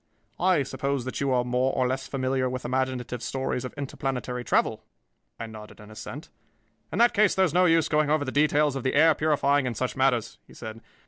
I suppose that you are more or less familiar with imaginative stories of interplanetary travel?" I nodded an assent. "In that case there is no use in going over the details of the air purifying and such matters," he said.